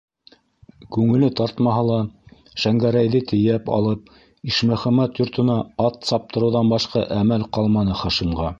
Күңеле тартмаһа ла, Шәңгәрәйҙе тейәп алып, Ишмөхәмәт йортона ат саптырыуҙан башҡа әмәл ҡалманы Хашимға...